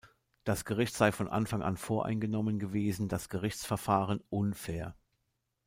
Das Gericht sei von Anfang an voreingenommen gewesen, das Gerichtsverfahren unfair.